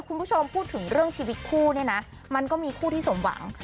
คุณผู้ชมพูดถึงเรื่องชีวิตคู่เนี่ยนะมันก็มีคู่ที่สมหวัง